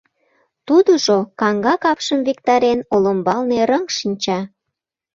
Тудыжо, каҥга капшым виктарен, олымбалне рыҥ шинча.